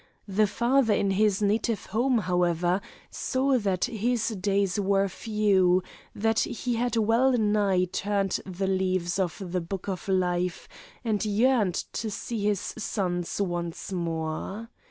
The father in his native home, however, saw that his days were few, that he had well nigh turned the leaves of the book of life, and yearned to see his sons once more.